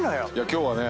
今日はね